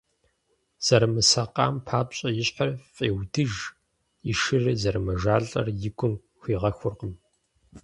Зэрымысакъам папщӀэ и щхьэр фӀеудыж, и шырыр зэрымэжалӀэр и гум хуигъэхуркъым.